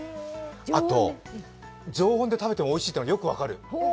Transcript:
あと常温で食べてもおいしいというのがよく分かる。